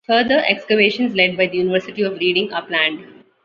Further excavations led by the University of Reading are planned.